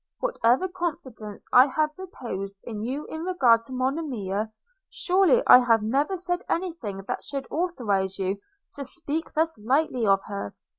Whatever confidence I have reposed in you in regard to Monimia, surely I have never said any thing that should authorise you to speak thus lightly of her.